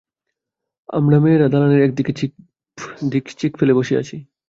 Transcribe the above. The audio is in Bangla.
আমরা মেয়েরা দালানের এক দিকে চিক ফেলে বসে আছি।